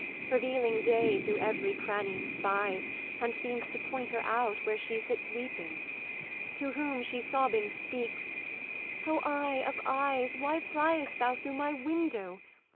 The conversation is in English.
Revealing day through every cranny spies, And seems to point her out where she sits weeping; To whom she sobbing speaks: 'O eye of eyes, Why pry'st thou through my window?